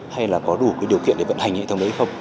hay là có đủ cái điều kiện để vận hành hệ thống đấy không